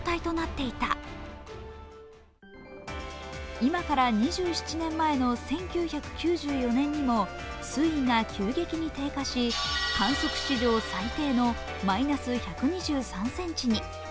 今から２７年前の１９９４年にも水位が急激に低下し観測史上最低のマイナス１２３ｃｍに。